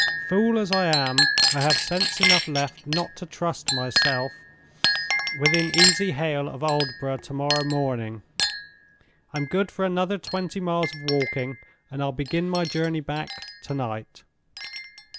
Fool as I am, I have sense enough left not to trust myself within easy hail of Aldborough to morrow morning. I'm good for another twenty miles of walking, and I'll begin my journey back tonight."